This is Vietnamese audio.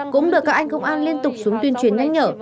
cũng được các anh công an liên tục xuống tuyên truyền nhắc nhở